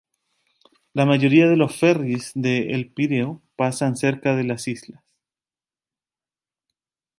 La mayoría de los ferries de El Pireo pasan cerca de las islas.